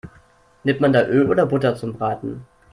Nimmt man da Öl oder Butter zum Braten?